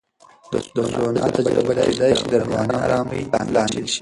د سونا تجربه کېدای شي د رواني آرامۍ لامل شي.